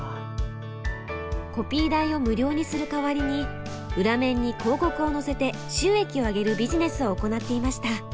コピー代を無料にする代わりに裏面に広告を載せて収益をあげるビジネスを行っていました。